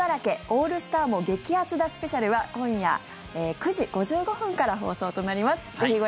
オールスターも激アツだＳＰ」は今夜９時５５分から放送となります。